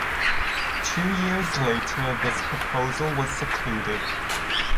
Two years later this proposal was secluded.